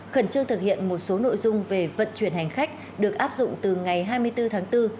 khẩn trương thực hiện một số nội dung về vận chuyển hành khách được áp dụng từ ngày hai mươi bốn tháng bốn